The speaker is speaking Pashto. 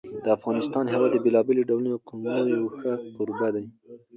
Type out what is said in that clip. د افغانستان هېواد د بېلابېلو ډولو قومونو یو ښه کوربه دی.